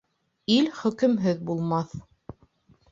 Ил хөкөмһөҙ булмаҫ.